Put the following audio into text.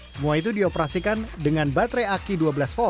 semua itu dioperasikan dengan baterai aki dua belas v